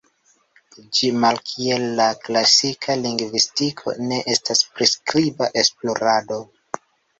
Ĝi malkiel la klasika lingvistiko ne estas priskriba esplorado.